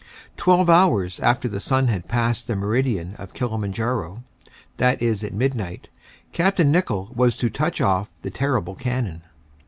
Twelve hours after the sun had passed the meridian of Kilimanjaro, that is at midnight, Capt. Nicholl was to touch off the terrible cannon.